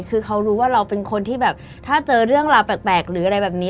คือเขารู้ว่าเราเป็นคนที่แบบถ้าเจอเรื่องราวแปลกหรืออะไรแบบนี้